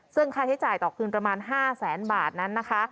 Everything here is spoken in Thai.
ซึ่งค่าใช้จ่ายต่อคืนประมาณ๕แสนบาทนั้นนะคะ